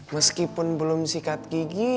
meskipun belum sikat gigi